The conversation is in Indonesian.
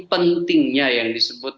pentingnya yang disebut